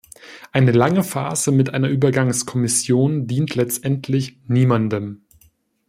Eine lange Phase mit einer Übergangskommission dient letztendlich niemandem.